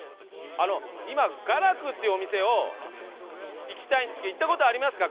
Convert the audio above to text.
今ガラクっていうお店行きたいんですけど行った事ありますか？